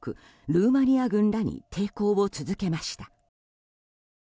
ルーマニア軍らに抵抗を続けました。